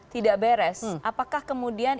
tidak beres apakah kemudian